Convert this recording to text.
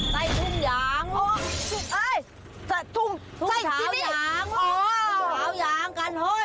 มีจริงลูก